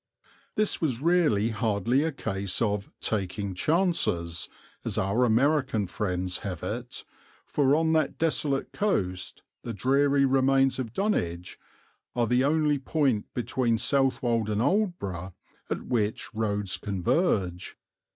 This was really hardly a case of "taking chances," as our American friends have it, for on that desolate coast the dreary remains of Dunwich are the only point between Southwold and Aldeburgh at which roads converge.